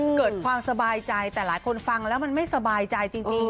เกิดความสบายใจแต่หลายคนฟังแล้วมันไม่สบายใจจริง